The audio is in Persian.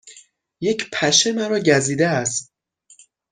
یک پشه مرا گزیده است.